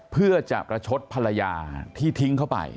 เพื่อจะประชดภรรยาที่ทิ้งเข้าไป